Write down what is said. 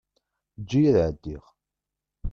Eǧǧ-iyi ad ɛeddiɣ.